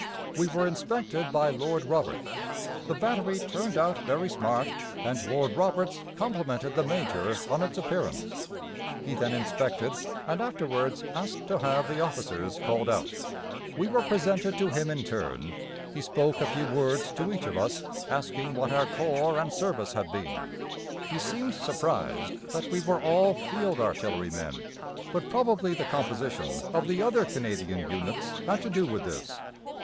We were inspected by Lord Roberts. The battery turned out very smart, and Lord Roberts complimented the Major on its appearance. He then inspected, and afterwards asked to have the officers called out. We were presented to him in turn; he spoke a few words to each of us, asking what our corps and service had been. He seemed surprised that we were all Field Artillery men, but probably the composition of the other Canadian units had to do with this.